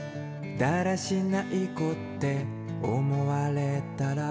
「だらしない子って思われたら？」